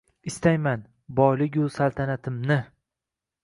Istayman: boyligu saltanatimning